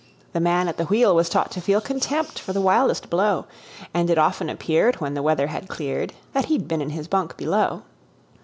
The man at the wheel was taught to feel Contempt for the wildest blow, And it often appeared, when the weather had cleared, That he'd been in his bunk below.